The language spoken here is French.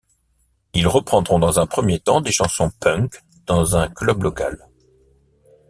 Ils reprendront dans un premier temps des chansons punk dans un club local.